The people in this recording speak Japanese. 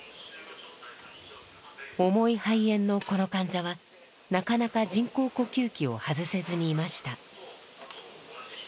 重い肺炎のこの患者はなかなか人工呼吸器を外せずにいました。